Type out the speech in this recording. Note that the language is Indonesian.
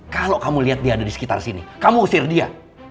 kalau kamu lihat dia ada di sekitar sini kamu usir dia